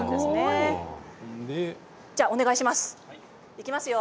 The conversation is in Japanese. いきますよ。